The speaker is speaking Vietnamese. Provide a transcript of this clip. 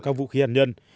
các vũ khí hạt nhân